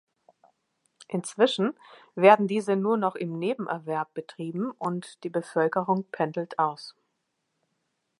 Inzwischen werden diese nur noch im Nebenerwerb betrieben, und die Bevölkerung pendelt aus.